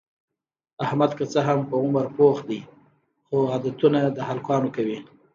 احمد که څه هم په عمر پوخ دی، خو عادتونه د هلکانو کوي.